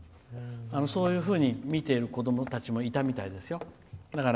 そういうふうに見ている子どもたちもいたみたいですよ。